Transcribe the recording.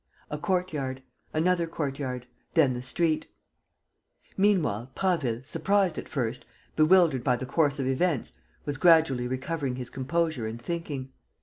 A court yard, another court yard, then the street. Meanwhile, Prasville, surprised at first, bewildered by the course of events, was gradually recovering his composure and thinking.